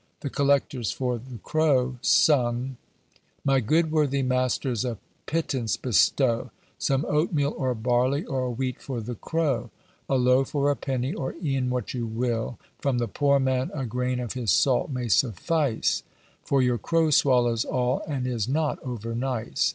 The collectors for "The Crow" sung: My good worthy masters, a pittance bestow, Some oatmeal, or barley, or wheat for the Crow. A loaf, or a penny, or e'en what you will; From the poor man, a grain of his salt may suffice, For your Crow swallows all, and is not over nice.